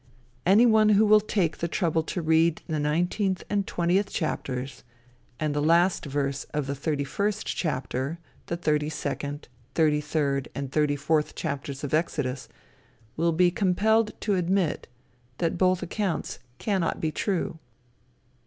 Any one who will take the trouble to read the nineteenth and twentieth chapters, and the last verse of the thirty first chapter, the thirty second, thirty third, and thirty fourth chapters of Exodus, will be compelled to admit that both accounts cannot be true.